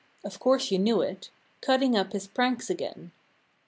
Of course you knew it; Cutting up his pranks again.